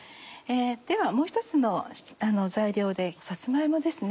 ではもう一つの材料でさつま芋ですね。